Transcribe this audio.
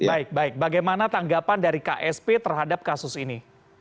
baik baik bagaimana tanggapan dari ksp terhadap kasus ini